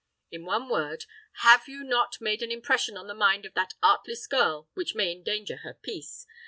In one word, have you not made an impression on the mind of that artless girl which may endanger her peace?